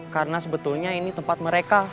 karena sebetulnya ini tempat mereka